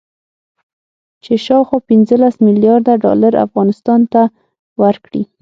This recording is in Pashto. چې شاوخوا پنځلس مليارده ډالر افغانستان ته ورکړي